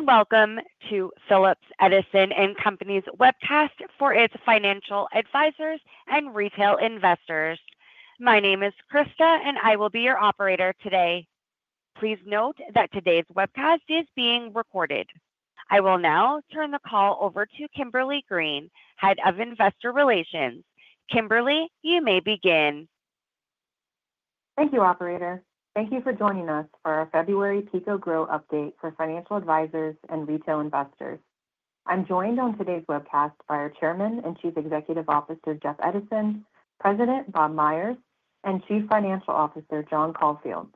Good day and welcome to Phillips Edison & Company's webcast for its financial advisors and retail investors. My name is Krista, and I will be your operator today. Please note that today's webcast is being recorded. I will now turn the call over to Kimberly Green, Head of Investor Relations. Kimberly, you may begin. Thank you, Operator. Thank you for joining us for our February PECO Grow update for financial advisors and retail investors. I'm joined on today's webcast by our Chairman and Chief Executive Officer, Jeff Edison, President Bob Myers, and Chief Financial Officer, John Caulfield.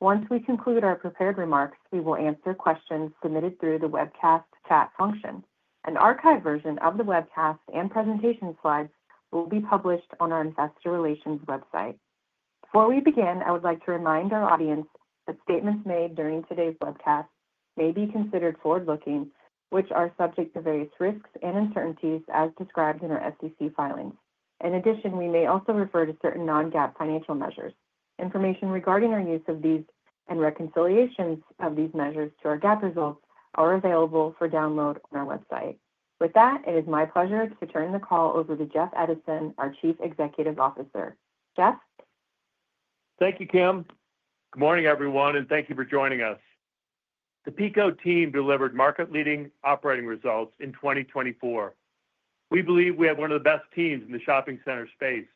Once we conclude our prepared remarks, we will answer questions submitted through the webcast chat function. An archived version of the webcast and presentation slides will be published on our investor relations website. Before we begin, I would like to remind our audience that statements made during today's webcast may be considered forward-looking, which are subject to various risks and uncertainties as described in our SEC filings. In addition, we may also refer to certain non-GAAP financial measures. Information regarding our use of these and reconciliations of these measures to our GAAP results are available for download on our website. With that, it is my pleasure to turn the call over to Jeff Edison, our Chief Executive Officer. Jeff? Thank you, Kim. Good morning, everyone, and thank you for joining us. The PECO team delivered market-leading operating results in 2024. We believe we have one of the best teams in the shopping center space.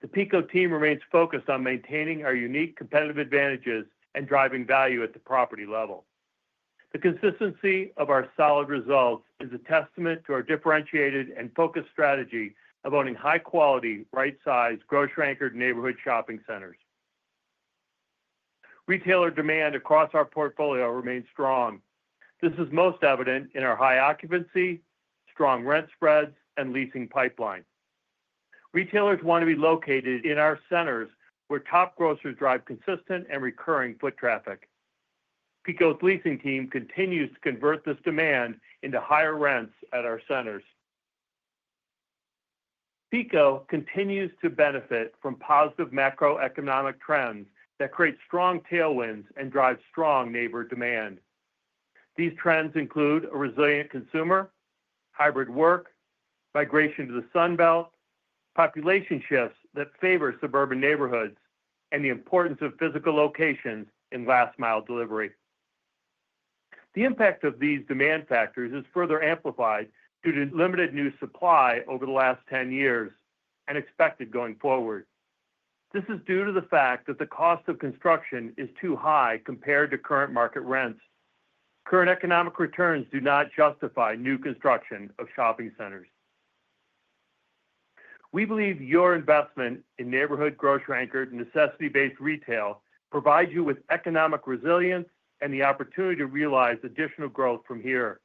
The PECO team remains focused on maintaining our unique competitive advantages and driving value at the property level. The consistency of our solid results is a testament to our differentiated and focused strategy of owning high-quality, right-sized, grocery-anchored neighborhood shopping centers. Retailer demand across our portfolio remains strong. This is most evident in our high occupancy, strong rent spreads, and leasing pipeline. Retailers want to be located in our centers where top grocers drive consistent and recurring foot traffic. PECO's leasing team continues to convert this demand into higher rents at our centers. PECO continues to benefit from positive macroeconomic trends that create strong tailwinds and drive strong neighborhood demand. These trends include a resilient consumer, hybrid work, migration to the Sun Belt, population shifts that favor suburban neighborhoods, and the importance of physical locations in last-mile delivery. The impact of these demand factors is further amplified due to limited new supply over the last 10 years and expected going forward. This is due to the fact that the cost of construction is too high compared to current market rents. Current economic returns do not justify new construction of shopping centers. We believe your investment in neighborhood grocery-anchored and necessity-based retail provides you with economic resilience and the opportunity to realize additional growth from here.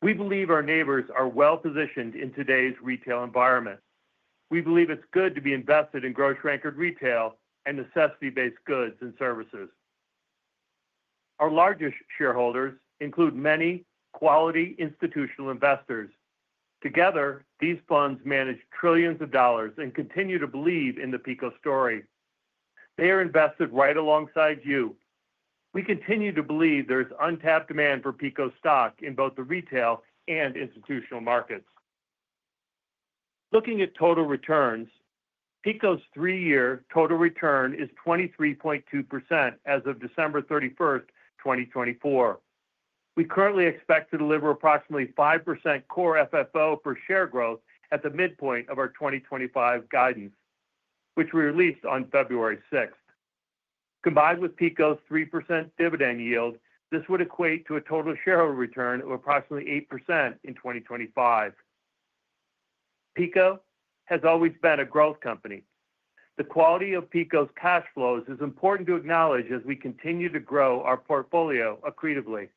We believe our neighbors are well-positioned in today's retail environment. We believe it's good to be invested in grocery-anchored retail and necessity-based goods and services. Our largest shareholders include many quality institutional investors. Together, these funds manage trillions of dollars and continue to believe in the PECO story. They are invested right alongside you. We continue to believe there is untapped demand for PECO stock in both the retail and institutional markets. Looking at total returns, PECO's three-year total return is 23.2% as of December 31st, 2024. We currently expect to deliver approximately 5% Core FFO per share growth at the midpoint of our 2025 guidance, which we released on February 6th. Combined with PECO's 3% dividend yield, this would equate to a total shareholder return of approximately 8% in 2025. PECO has always been a growth company. The quality of PECO's cash flows is important to acknowledge as we continue to grow our portfolio accretively,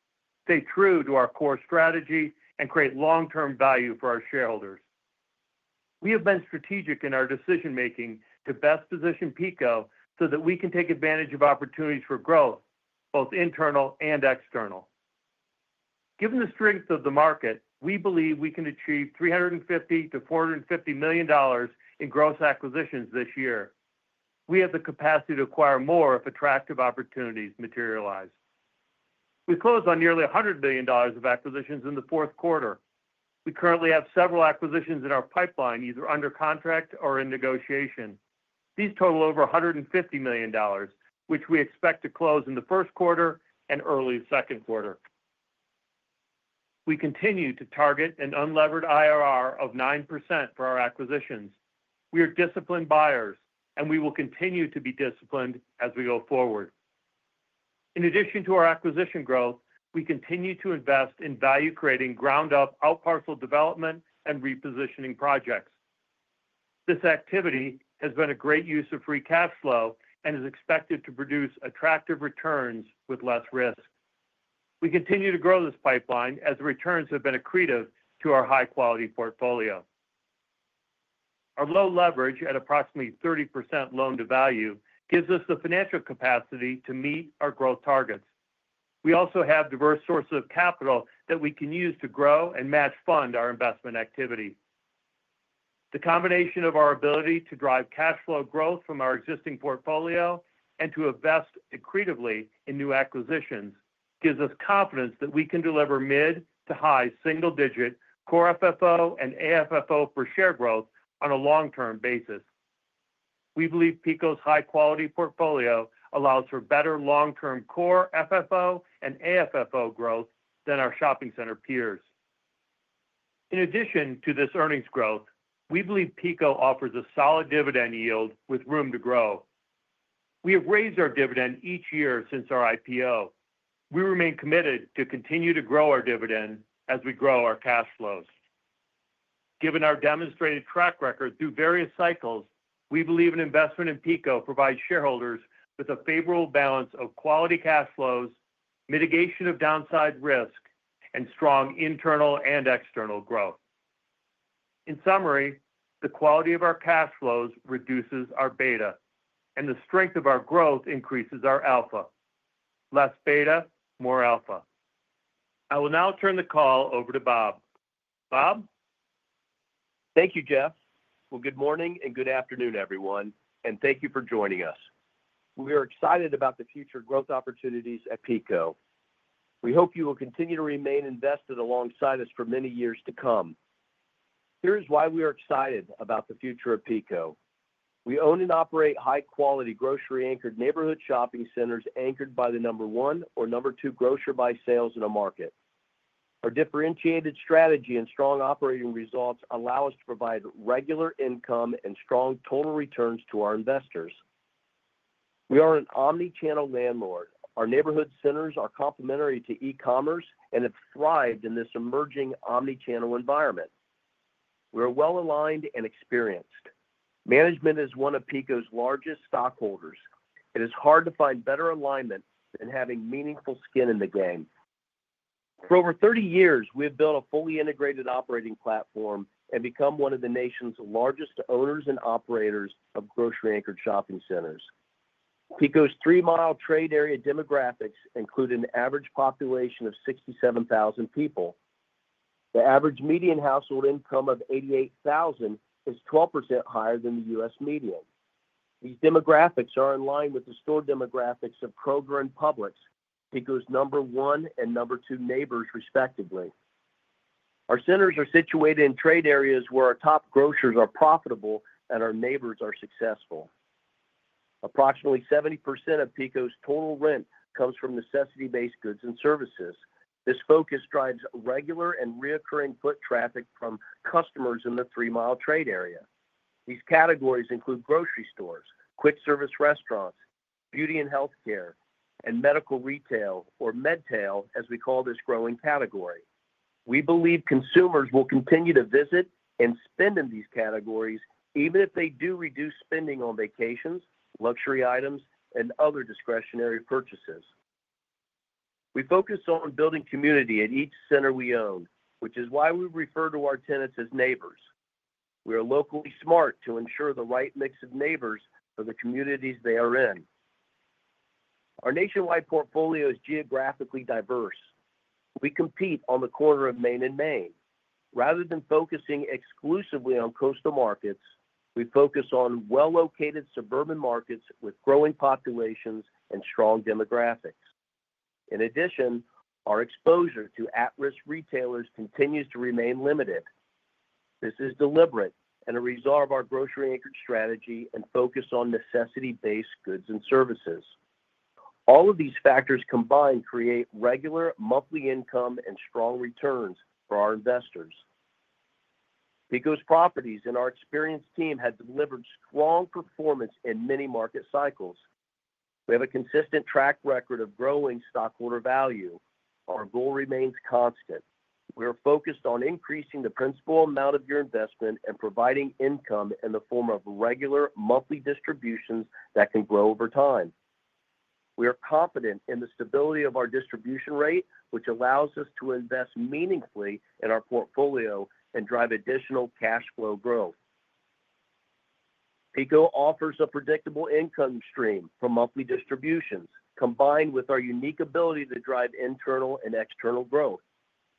stay true to our core strategy, and create long-term value for our shareholders. We have been strategic in our decision-making to best position PECO so that we can take advantage of opportunities for growth, both internal and external. Given the strength of the market, we believe we can achieve $350 million-$450 million in gross acquisitions this year. We have the capacity to acquire more if attractive opportunities materialize. We closed on nearly $100 million of acquisitions in the fourth quarter. We currently have several acquisitions in our pipeline, either under contract or in negotiation. These total over $150 million, which we expect to close in the first quarter and early second quarter. We continue to target an unlevered IRR of 9% for our acquisitions. We are disciplined buyers, and we will continue to be disciplined as we go forward. In addition to our acquisition growth, we continue to invest in value-creating ground-up, outparcel development, and repositioning projects. This activity has been a great use of free cash flow and is expected to produce attractive returns with less risk. We continue to grow this pipeline as the returns have been accretive to our high-quality portfolio. Our low leverage at approximately 30% loan-to-value gives us the financial capacity to meet our growth targets. We also have diverse sources of capital that we can use to grow and match fund our investment activity. The combination of our ability to drive cash flow growth from our existing portfolio and to invest accretively in new acquisitions gives us confidence that we can deliver mid to high single-digit Core FFO and AFFO per share growth on a long-term basis. We believe PECO's high-quality portfolio allows for better long-term Core FFO and AFFO growth than our shopping center peers. In addition to this earnings growth, we believe PECO offers a solid dividend yield with room to grow. We have raised our dividend each year since our IPO. We remain committed to continue to grow our dividend as we grow our cash flows. Given our demonstrated track record through various cycles, we believe an investment in PECO provides shareholders with a favorable balance of quality cash flows, mitigation of downside risk, and strong internal and external growth. In summary, the quality of our cash flows reduces our beta, and the strength of our growth increases our alpha. Less beta, more alpha. I will now turn the call over to Bob. Bob? Thank you, Jeff. Good morning and good afternoon, everyone, and thank you for joining us. We are excited about the future growth opportunities at PECO. We hope you will continue to remain invested alongside us for many years to come. Here is why we are excited about the future of PECO. We own and operate high-quality grocery-anchored neighborhood shopping centers anchored by the number one or number two grocery by sales in a market. Our differentiated strategy and strong operating results allow us to provide regular income and strong total returns to our investors. We are an omnichannel landlord. Our neighborhood centers are complementary to e-commerce and have thrived in this emerging omnichannel environment. We are well-aligned and experienced. Management is one of PECO's largest stockholders. It is hard to find better alignment than having meaningful skin in the game. For over 30 years, we have built a fully integrated operating platform and become one of the nation's largest owners and operators of grocery-anchored shopping centers. PECO's three-mile trade area demographics include an average population of 67,000 people. The average median household income of $88,000 is 12% higher than the U.S. median. These demographics are in line with the store demographics of Kroger and Publix, PECO's number one and number two neighbors, respectively. Our centers are situated in trade areas where our top grocers are profitable and our neighbors are successful. Approximately 70% of PECO's total rent comes from necessity-based goods and services. This focus drives regular and recurring foot traffic from customers in the three-mile trade area. These categories include grocery stores, quick-service restaurants, beauty and healthcare, and medical retail, or MedTail, as we call this growing category. We believe consumers will continue to visit and spend in these categories even if they do reduce spending on vacations, luxury items, and other discretionary purchases. We focus on building community at each center we own, which is why we refer to our tenants as neighbors. We are locally smart to ensure the right mix of neighbors for the communities they are in. Our nationwide portfolio is geographically diverse. We compete on the corner of Main and Main. Rather than focusing exclusively on coastal markets, we focus on well-located suburban markets with growing populations and strong demographics. In addition, our exposure to at-risk retailers continues to remain limited. This is deliberate and a result of our grocery-anchored strategy and focus on necessity-based goods and services. All of these factors combined create regular monthly income and strong returns for our investors. PECO's properties and our experienced team have delivered strong performance in many market cycles. We have a consistent track record of growing stockholder value. Our goal remains constant. We are focused on increasing the principal amount of your investment and providing income in the form of regular monthly distributions that can grow over time. We are confident in the stability of our distribution rate, which allows us to invest meaningfully in our portfolio and drive additional cash flow growth. PECO offers a predictable income stream from monthly distributions, combined with our unique ability to drive internal and external growth.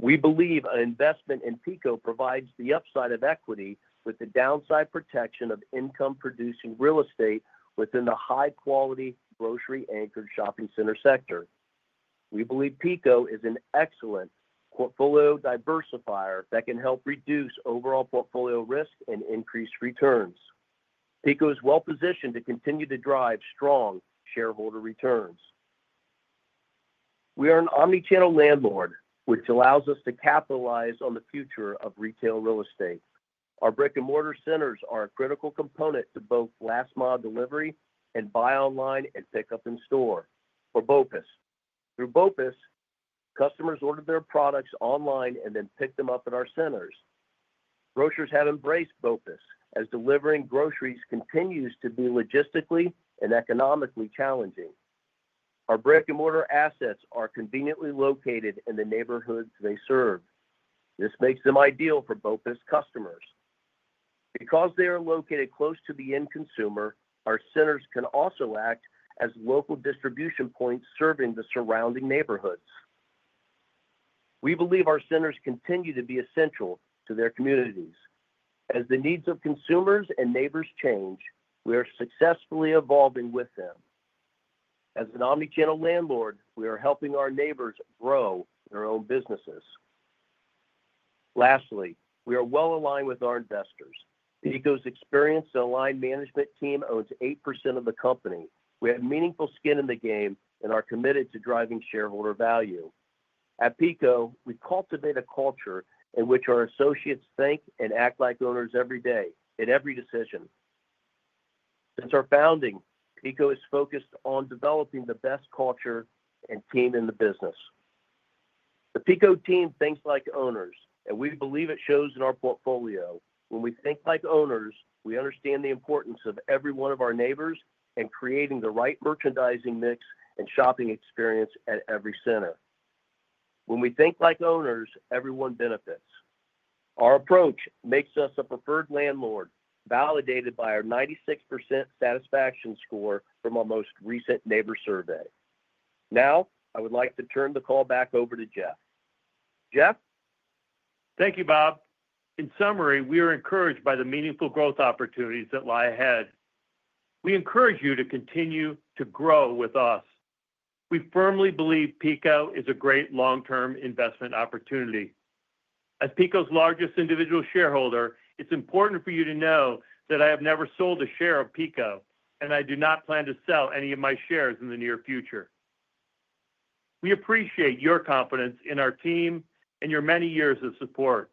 We believe an investment in PECO provides the upside of equity with the downside protection of income-producing real estate within the high-quality grocery-anchored shopping center sector. We believe PECO is an excellent portfolio diversifier that can help reduce overall portfolio risk and increase returns. PECO is well-positioned to continue to drive strong shareholder returns. We are an omnichannel landlord, which allows us to capitalize on the future of retail real estate. Our brick-and-mortar centers are a critical component to both last-mile delivery and buy online and pick up in store for BOPIS. Through BOPIS, customers order their products online and then pick them up at our centers. Grocers have embraced BOPIS as delivering groceries continues to be logistically and economically challenging. Our brick-and-mortar assets are conveniently located in the neighborhoods they serve. This makes them ideal for BOPIS customers. Because they are located close to the end consumer, our centers can also act as local distribution points serving the surrounding neighborhoods. We believe our centers continue to be essential to their communities. As the needs of consumers and neighbors change, we are successfully evolving with them. As an omnichannel landlord, we are helping our neighbors grow their own businesses. Lastly, we are well-aligned with our investors. PECO's experienced and aligned management team owns 8% of the company. We have meaningful skin in the game and are committed to driving shareholder value. At PECO, we cultivate a culture in which our associates think and act like owners every day in every decision. Since our founding, PECO has focused on developing the best culture and team in the business. The PECO team thinks like owners, and we believe it shows in our portfolio. When we think like owners, we understand the importance of every one of our neighbors and creating the right merchandising mix and shopping experience at every center. When we think like owners, everyone benefits. Our approach makes us a preferred landlord, validated by our 96% satisfaction score from our most recent neighbor survey. Now, I would like to turn the call back over to Jeff. Jeff? Thank you, Bob. In summary, we are encouraged by the meaningful growth opportunities that lie ahead. We encourage you to continue to grow with us. We firmly believe PECO is a great long-term investment opportunity. As PECO's largest individual shareholder, it's important for you to know that I have never sold a share of PECO, and I do not plan to sell any of my shares in the near future. We appreciate your confidence in our team and your many years of support.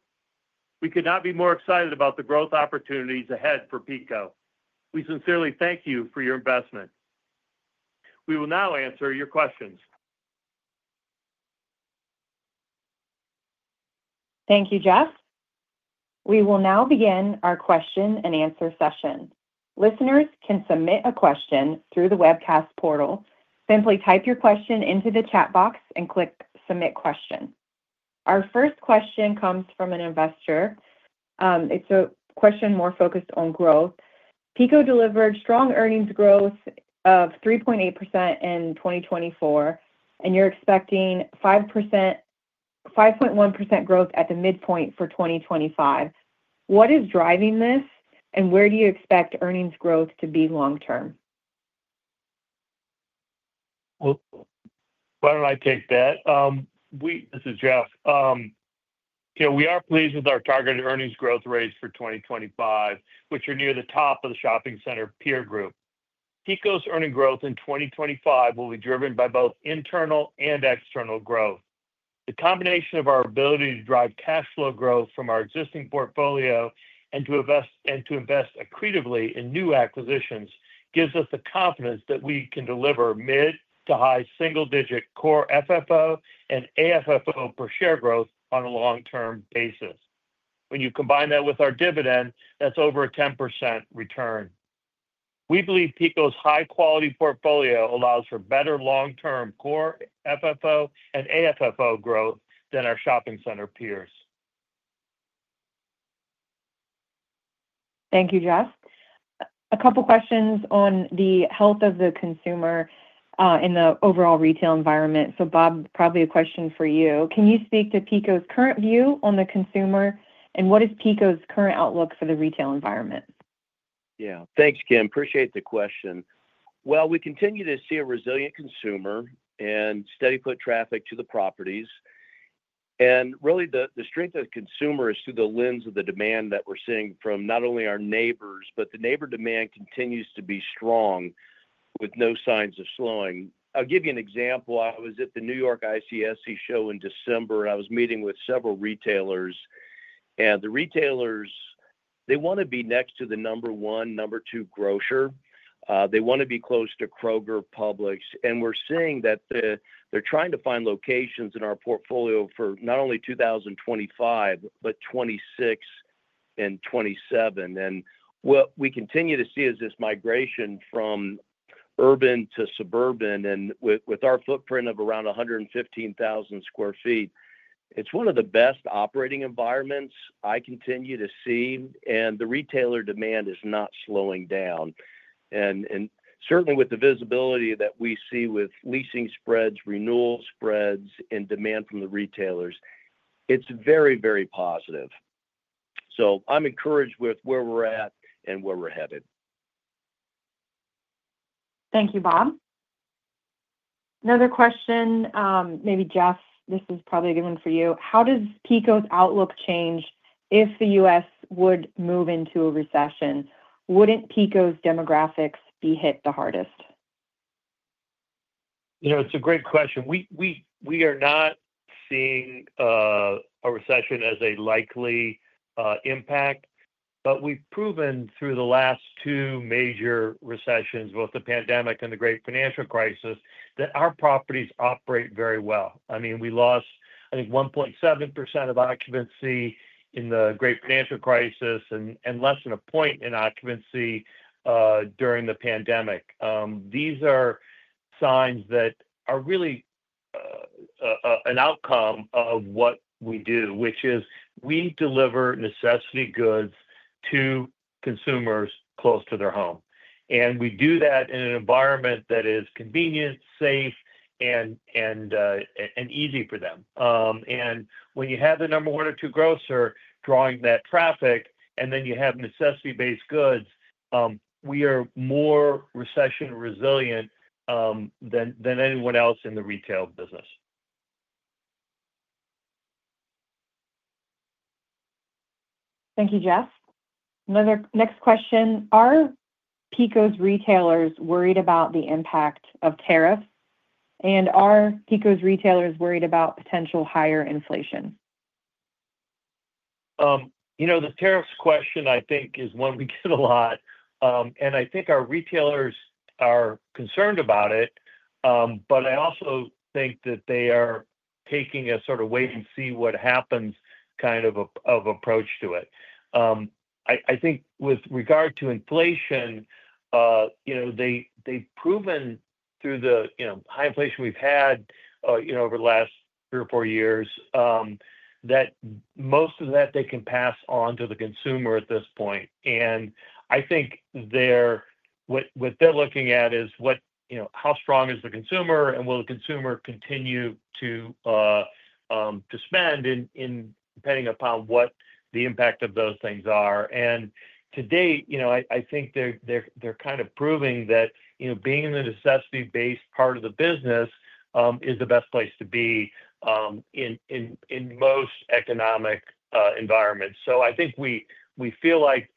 We could not be more excited about the growth opportunities ahead for PECO. We sincerely thank you for your investment. We will now answer your questions. Thank you, Jeff. We will now begin our question-and-answer session. Listeners can submit a question through the webcast portal. Simply type your question into the chat box and click "Submit Question." Our first question comes from an investor. It's a question more focused on growth. PECO delivered strong earnings growth of 3.8% in 2024, and you're expecting 5.1% growth at the midpoint for 2025. What is driving this, and where do you expect earnings growth to be long-term? Why don't I take that? This is Jeff. We are pleased with our targeted earnings growth rates for 2025, which are near the top of the shopping center peer group. PECO's earnings growth in 2025 will be driven by both internal and external growth. The combination of our ability to drive cash flow growth from our existing portfolio and to invest accretively in new acquisitions gives us the confidence that we can deliver mid to high single-digit Core FFO and AFFO per share growth on a long-term basis. When you combine that with our dividend, that's over a 10% return. We believe PECO's high-quality portfolio allows for better long-term Core FFO and AFFO growth than our shopping center peers. Thank you, Jeff. A couple of questions on the health of the consumer in the overall retail environment. So, Bob, probably a question for you. Can you speak to PECO's current view on the consumer, and what is PECO's current outlook for the retail environment? Yeah. Thanks, Kim. Appreciate the question. Well, we continue to see a resilient consumer and steady foot traffic to the properties. And really, the strength of consumer is through the lens of the demand that we're seeing from not only our neighbors, but the neighbor demand continues to be strong with no signs of slowing. I'll give you an example. I was at the New York ICSC show in December, and I was meeting with several retailers. And the retailers, they want to be next to the number one, number two grocer. They want to be close to Kroger and Publix. And we're seeing that they're trying to find locations in our portfolio for not only 2025, but 2026 and 2027. And what we continue to see is this migration from urban to suburban. And with our footprint of around 115,000 sq ft, it's one of the best operating environments I continue to see. And the retailer demand is not slowing down. And certainly, with the visibility that we see with leasing spreads, renewal spreads, and demand from the retailers, it's very, very positive. So I'm encouraged with where we're at and where we're headed. Thank you, Bob. Another question, maybe Jeff, this is probably a good one for you. How does PECO's outlook change if the U.S. would move into a recession? Wouldn't PECO's demographics be hit the hardest? You know, it's a great question. We are not seeing a recession as a likely impact, but we've proven through the last two major recessions, both the pandemic and the great financial crisis, that our properties operate very well. I mean, we lost, I think, 1.7% of occupancy in the great financial crisis and less than a point in occupancy during the pandemic. These are signs that are really an outcome of what we do, which is we deliver necessity goods to consumers close to their home. And we do that in an environment that is convenient, safe, and easy for them. And when you have the number one or two grocer drawing that traffic, and then you have necessity-based goods, we are more recession resilient than anyone else in the retail business. Thank you, Jeff. Another next question. Are PECO's retailers worried about the impact of tariffs? And are PECO's retailers worried about potential higher inflation? You know, the tariffs question, I think, is one we get a lot. And I think our retailers are concerned about it, but I also think that they are taking a sort of wait-and-see-what-happens kind of approach to it. I think with regard to inflation, you know, they've proven through the high inflation we've had over the last three or four years that most of that they can pass on to the consumer at this point. And I think what they're looking at is how strong is the consumer, and will the consumer continue to spend depending upon what the impact of those things are. And to date, you know, I think they're kind of proving that being in the necessity-based part of the business is the best place to be in most economic environments. So I think we feel like,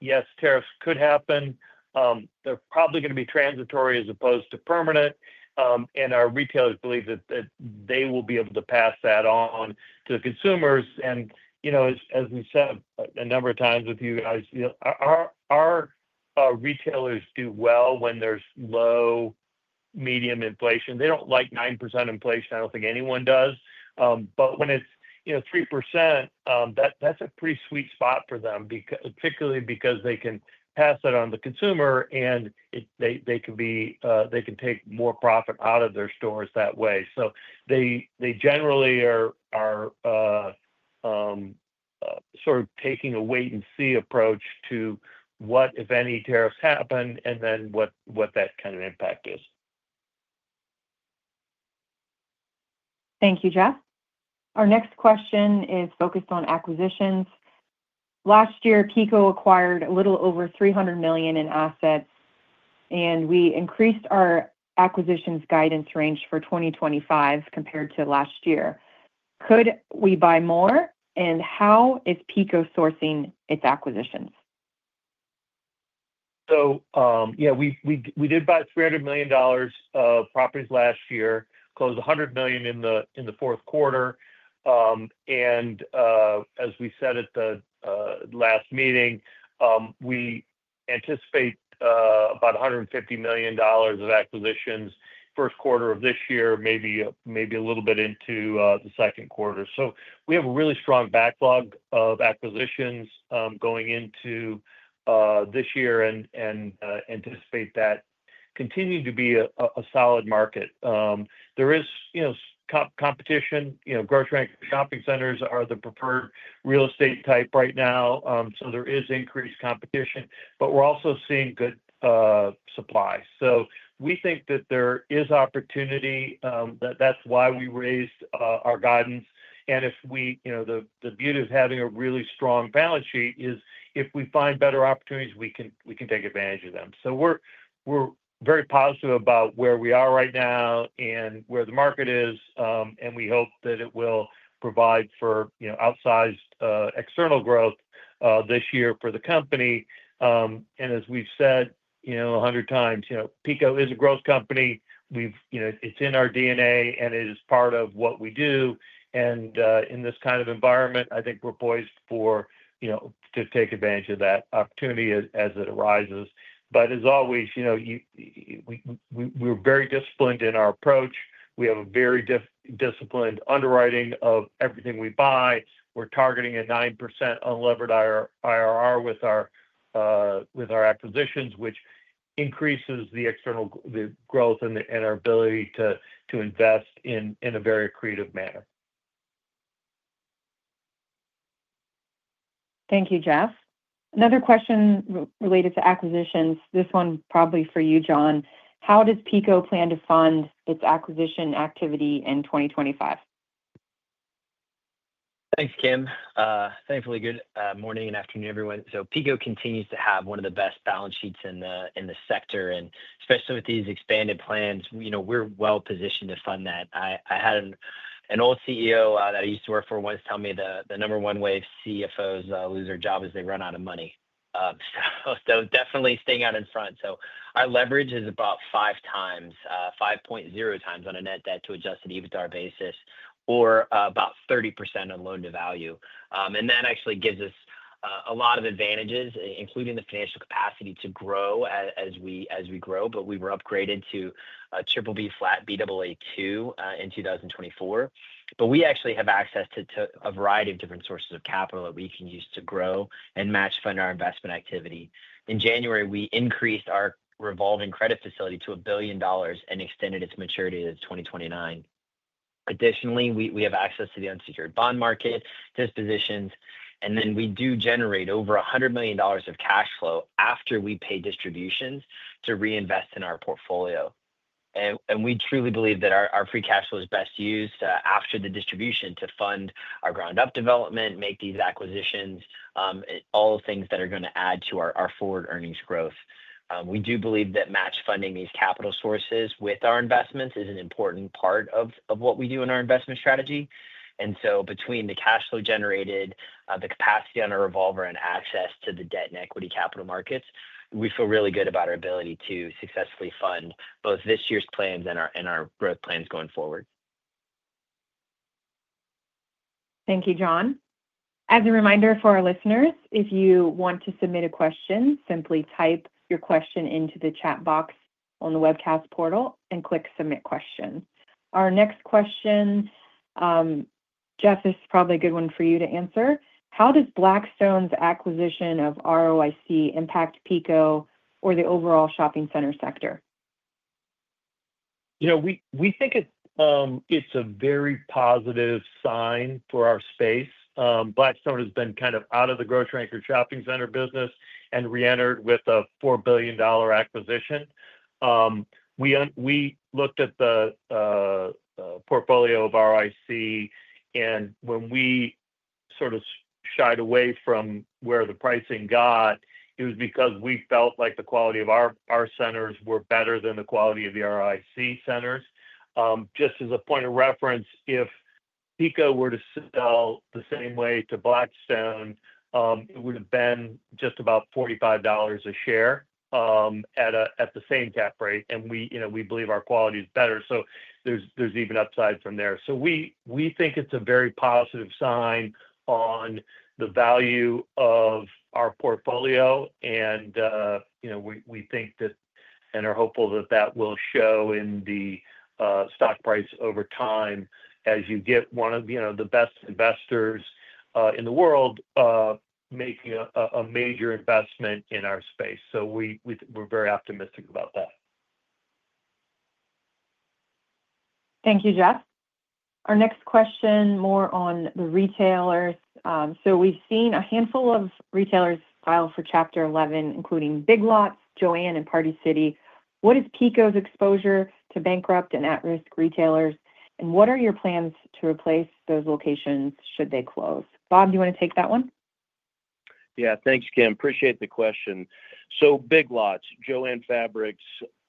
yes, tariffs could happen. They're probably going to be transitory as opposed to permanent. And our retailers believe that they will be able to pass that on to the consumers. And, you know, as we said a number of times with you guys, our retailers do well when there's low, medium inflation. They don't like 9% inflation. I don't think anyone does. But when it's 3%, that's a pretty sweet spot for them, particularly because they can pass that on to the consumer, and they can take more profit out of their stores that way. So they generally are sort of taking a wait-and-see approach to what, if any, tariffs happen, and then what that kind of impact is. Thank you, Jeff. Our next question is focused on acquisitions. Last year, PECO acquired a little over $300 million in assets, and we increased our acquisitions guidance range for 2025 compared to last year. Could we buy more, and how is PECO sourcing its acquisitions? So, yeah, we did buy $300 million of properties last year, closed $100 million in the fourth quarter. And as we said at the last meeting, we anticipate about $150 million of acquisitions first quarter of this year, maybe a little bit into the second quarter. So we have a really strong backlog of acquisitions going into this year and anticipate that continuing to be a solid market. There is competition. Grocery and shopping centers are the preferred real estate type right now, so there is increased competition, but we're also seeing good supply. So we think that there is opportunity. That's why we raised our guidance. And the beauty of having a really strong balance sheet is if we find better opportunities, we can take advantage of them. So we're very positive about where we are right now and where the market is, and we hope that it will provide for outsized external growth this year for the company. And as we've said 100 times, PECO is a growth company. It's in our DNA, and it is part of what we do. And in this kind of environment, I think we're poised to take advantage of that opportunity as it arises. But as always, we're very disciplined in our approach. We have a very disciplined underwriting of everything we buy. We're targeting a 9% unlevered IRR with our acquisitions, which increases the external growth and our ability to invest in a very accretive manner. Thank you, Jeff. Another question related to acquisitions. This one probably for you, John. How does PECO plan to fund its acquisition activity in 2025? Thanks, Kim. Thankfully, good morning and afternoon, everyone, so PECO continues to have one of the best balance sheets in the sector, and especially with these expanded plans, we're well positioned to fund that. I had an old CEO that I used to work for once tell me the number one way CFOs lose their job is they run out of money, so definitely staying out in front, so our leverage is about 5x, 5.0x on a net debt-to-adjusted EBITDA basis, or about 30% on loan-to-value, and that actually gives us a lot of advantages, including the financial capacity to grow as we grow, but we were upgraded to a BBB flat Baa2 in 2024, but we actually have access to a variety of different sources of capital that we can use to grow and match fund our investment activity. In January, we increased our revolving credit facility to $1 billion and extended its maturity to 2029. Additionally, we have access to the unsecured bond market, dispositions, and then we do generate over $100 million of cash flow after we pay distributions to reinvest in our portfolio. We truly believe that our free cash flow is best used after the distribution to fund our ground-up development, make these acquisitions, all the things that are going to add to our forward earnings growth. We do believe that match funding these capital sources with our investments is an important part of what we do in our investment strategy, and so between the cash flow generated, the capacity on our revolver, and access to the debt and equity capital markets, we feel really good about our ability to successfully fund both this year's plans and our growth plans going forward. Thank you, John. As a reminder for our listeners, if you want to submit a question, simply type your question into the chat box on the webcast portal and click Submit Question. Our next question, Jeff, is probably a good one for you to answer. How does Blackstone's acquisition of ROIC impact PECO or the overall shopping center sector? You know, we think it's a very positive sign for our space. Blackstone has been kind of out of the grocery and shopping center business and re-entered with a $4 billion acquisition. We looked at the portfolio of ROIC, and when we sort of shied away from where the pricing got, it was because we felt like the quality of our centers were better than the quality of the ROIC centers. Just as a point of reference, if PECO were to sell the same way to Blackstone, it would have been just about $45 a share at the same cap rate. And we believe our quality is better. So there's even upside from there. So we think it's a very positive sign on the value of our portfolio. We think that, and are hopeful that that will show in the stock price over time as you get one of the best investors in the world making a major investment in our space. So we're very optimistic about that. Thank you, Jeff. Our next question more on the retailers. So we've seen a handful of retailers file for Chapter 11, including Big Lots, Joann, and Party City. What is PECO's exposure to bankrupt and at-risk retailers? And what are your plans to replace those locations should they close? Bob, do you want to take that one? Yeah, thanks, Kim. Appreciate the question, so Big Lots, Joann Fabrics,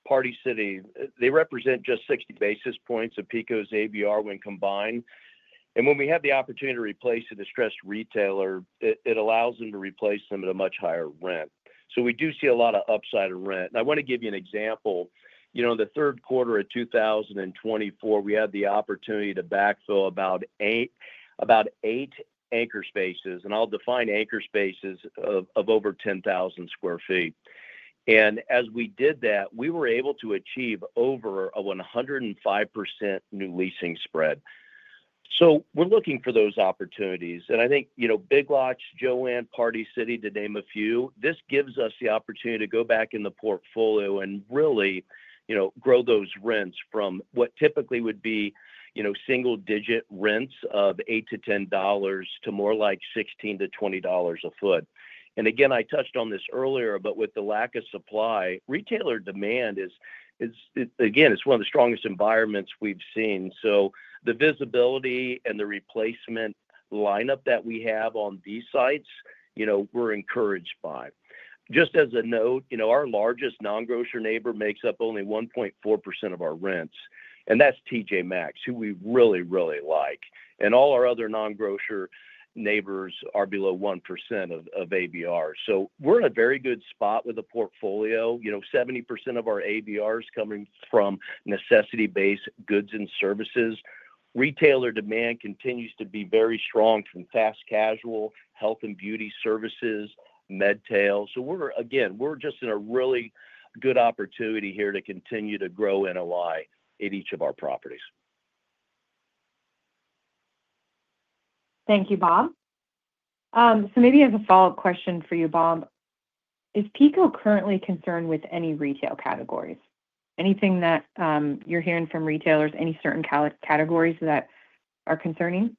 Party City, they represent just 60 basis points of PECO's ABR when combined. And when we have the opportunity to replace a distressed retailer, it allows them to replace them at a much higher rent. So we do see a lot of upside in rent. And I want to give you an example. You know, in the third quarter of 2024, we had the opportunity to backfill about eight anchor spaces, and I'll define anchor spaces of over 10,000 sq ft. And as we did that, we were able to achieve over a 105% new leasing spread. So we're looking for those opportunities. And I think, you know, Big Lots, Joann, Party City, to name a few, this gives us the opportunity to go back in the portfolio and really grow those rents from what typically would be single-digit rents of $8-$10 to more like $16-$20 a foot. And again, I touched on this earlier, but with the lack of supply, retailer demand is, again, it's one of the strongest environments we've seen. So the visibility and the replacement lineup that we have on these sites, you know, we're encouraged by. Just as a note, you know, our largest non-grocer neighbor makes up only 1.4% of our rents. And that's TJ Maxx, who we really, really like. And all our other non-grocer neighbors are below 1% of ABR. So we're in a very good spot with the portfolio. You know, 70% of our ABR is coming from necessity-based goods and services. Retailer demand continues to be very strong from fast casual, health and beauty services, MedTail. So we're, again, we're just in a really good opportunity here to continue to grow NOI at each of our properties. Thank you, Bob. So maybe as a follow-up question for you, Bob, is PECO currently concerned with any retail categories? Anything that you're hearing from retailers, any certain categories that are concerning?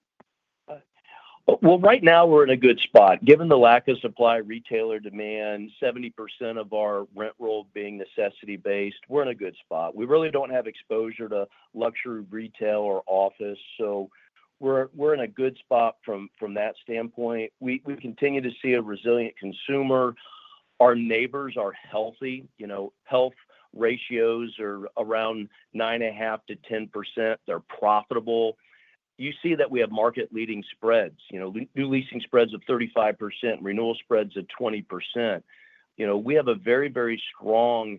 Right now, we're in a good spot. Given the lack of supply, retailer demand, 70% of our rent roll being necessity-based, we're in a good spot. We really don't have exposure to luxury retail or office. So we're in a good spot from that standpoint. We continue to see a resilient consumer. Our neighbors are healthy. You know, health ratios are around 9.5%-10%. They're profitable. You see that we have market-leading spreads, new leasing spreads of 35%, renewal spreads of 20%. You know, we have a very, very strong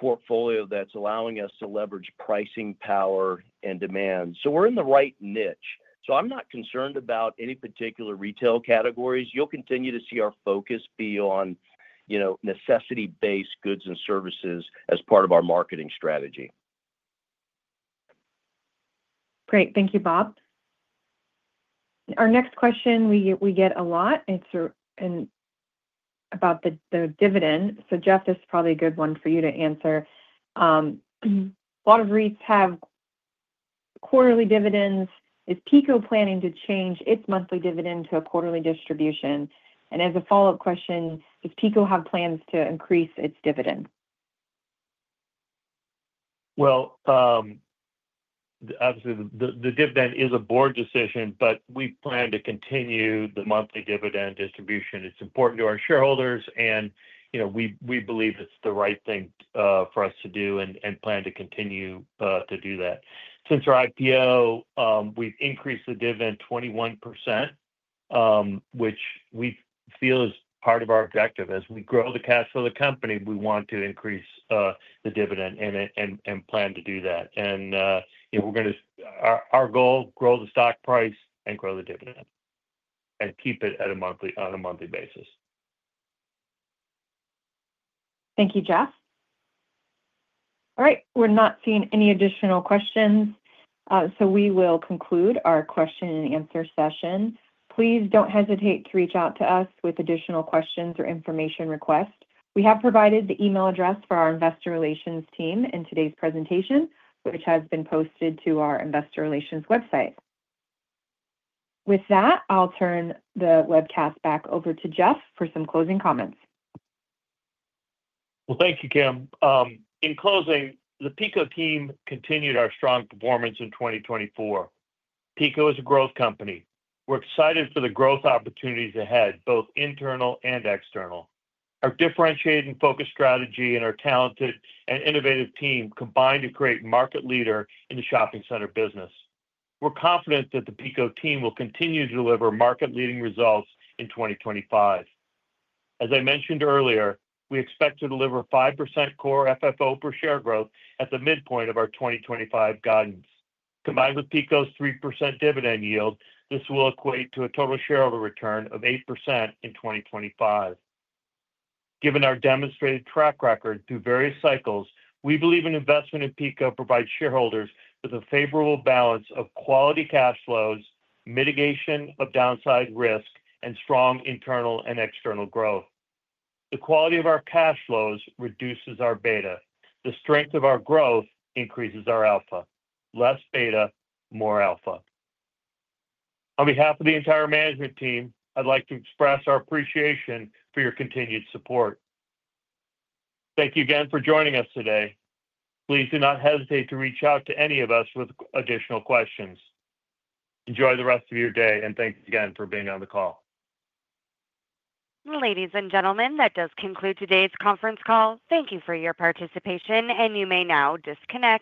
portfolio that's allowing us to leverage pricing power and demand. So we're in the right niche. So I'm not concerned about any particular retail categories. You'll continue to see our focus be on necessity-based goods and services as part of our marketing strategy. Great. Thank you, Bob. Our next question we get a lot about the dividend. So Jeff, this is probably a good one for you to answer. A lot of REITs have quarterly dividends. Is PECO planning to change its monthly dividend to a quarterly distribution? And as a follow-up question, does PECO have plans to increase its dividend? Obviously, the dividend is a board decision, but we plan to continue the monthly dividend distribution. It's important to our shareholders, and we believe it's the right thing for us to do and plan to continue to do that. Since our IPO, we've increased the dividend 21%, which we feel is part of our objective. As we grow the cash flow of the company, we want to increase the dividend and plan to do that. And we're going to our goal, grow the stock price and grow the dividend and keep it on a monthly basis. Thank you, Jeff. All right. We're not seeing any additional questions, so we will conclude our question-and-answer session. Please don't hesitate to reach out to us with additional questions or information requests. We have provided the email address for our investor relations team in today's presentation, which has been posted to our investor relations website. With that, I'll turn the webcast back over to Jeff for some closing comments. Thank you, Kim. In closing, the PECO team continued our strong performance in 2024. PECO is a growth company. We're excited for the growth opportunities ahead, both internal and external. Our differentiated and focused strategy and our talented and innovative team combine to create a market leader in the shopping center business. We're confident that the PECO team will continue to deliver market-leading results in 2025. As I mentioned earlier, we expect to deliver 5% Core FFO per share growth at the midpoint of our 2025 guidance. Combined with PECO's 3% dividend yield, this will equate to a total shareholder return of 8% in 2025. Given our demonstrated track record through various cycles, we believe an investment in PECO provides shareholders with a favorable balance of quality cash flows, mitigation of downside risk, and strong internal and external growth. The quality of our cash flows reduces our beta. The strength of our growth increases our alpha. Less beta, more alpha. On behalf of the entire management team, I'd like to express our appreciation for your continued support. Thank you again for joining us today. Please do not hesitate to reach out to any of us with additional questions. Enjoy the rest of your day, and thanks again for being on the call. Ladies and gentlemen, that does conclude today's conference call. Thank you for your participation, and you may now disconnect.